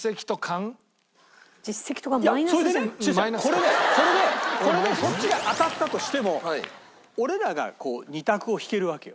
これでこれでそっちが当たったとしても俺らが２択を引けるわけよ。